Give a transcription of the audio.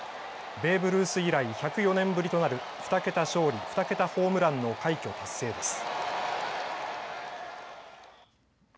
ベーブ・ルース以来１０４年ぶりとなる２桁勝利、２桁ホームランの快挙達成です。